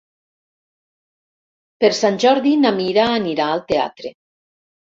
Per Sant Jordi na Mira anirà al teatre.